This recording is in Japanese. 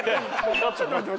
ちょっと待って。